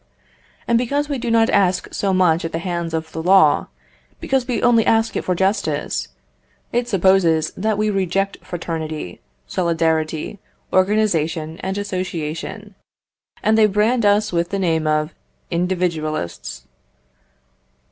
And because we do not ask so much at the hands of the law, because we only ask it for justice, it supposes that we reject fraternity, solidarity, organisation, and association; and they brand us with the name of individualists.